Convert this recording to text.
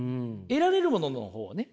得られるものの方をね